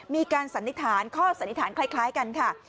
สันนิษฐานข้อสันนิษฐานคล้ายกันค่ะ